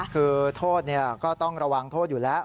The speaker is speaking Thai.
คือโทษก็ต้องระวังโทษอยู่แล้ว